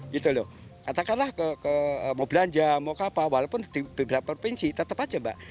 katakanlah mau belanja mau apa walaupun di beberapa provinsi tetap aja mbak